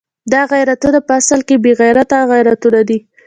دا غیرتونه په اصل کې بې غیرته غیرتونه دي.